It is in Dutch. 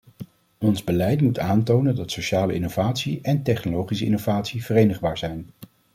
Ons beleid moet aantonen dat sociale innovatie en technologische innovatie verenigbaar zijn.